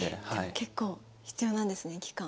結構必要なんですね期間。